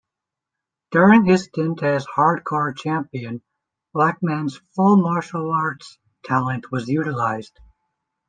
During his stint as Hardcore Champion, Blackman's full martial arts talent was utilized.